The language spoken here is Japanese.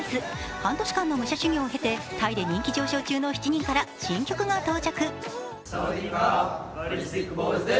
半年間の武者修行を経てタイで人気上昇中の７人から新曲が到着。